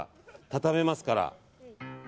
畳めますから。